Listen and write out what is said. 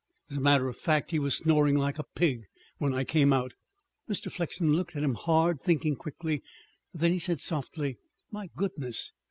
As a matter of fact, he was snoring like a pig when I came out." Mr. Flexen looked at him hard, thinking quickly. Then he said softly: "My goodness!